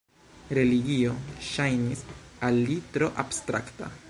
Religio ŝajnis al li tro abstrakta.